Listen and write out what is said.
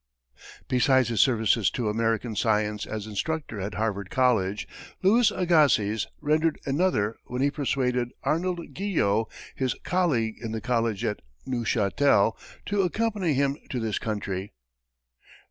Besides his services to American science as instructor at Harvard College, Louis Agassiz rendered another when he persuaded Arnold Guyot, his colleague in the college at Neuchâtel, to accompany him to this country.